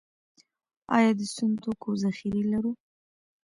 آیا د سون توکو ذخیرې لرو؟